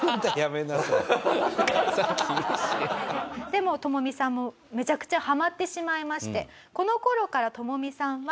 でもトモミさんもめちゃくちゃハマってしまいましてこの頃からトモミさんは。